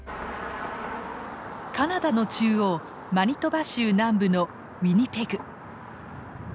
カナダの中央マニトバ州南部のウィニペグ。